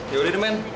ya udah demen